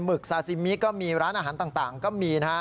ึกซาซิมิก็มีร้านอาหารต่างก็มีนะฮะ